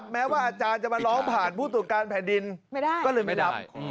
แม้ว่าอาจารย์จะมาร้องผ่านผู้ตรวจการแผ่นดินก็เลยไม่รับ